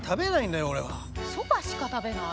そばしか食べない？